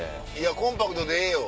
コンパクトでええよ。